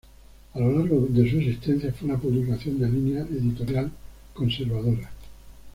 A lo largo de su existencia fue una publicación de línea editorial conservadora.